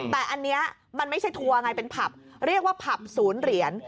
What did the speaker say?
แต่อันนี้มันไม่ใช้ทัวร์ไงเรียกว่าผปศูนย์เหรียญ